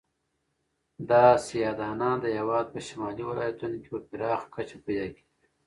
دا سیاه دانه د هېواد په شمالي ولایتونو کې په پراخه کچه پیدا کیږي.